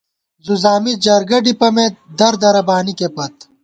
زُوزامی جرگہ ڈِپَمېت ، در دَرہ بانِکے پت